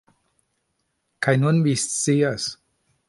Kaj nun vi scias